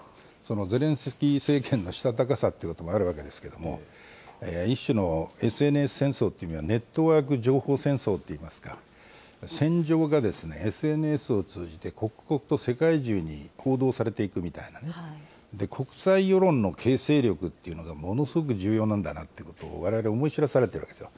ゼレンスキー政権のしたたかさっていうこともあるわけですけども、一種のＳＮＳ戦争というのはネットワーク情報戦争っていいますか、戦場がＳＮＳを通じて刻々と世界中に報道されていくというようなね、国際世論の形成力っていうのがものすごく重要なんだなということを、われわれ思い知らされているわけですよ。